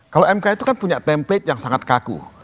kalau mk itu kan punya template yang sangat kaku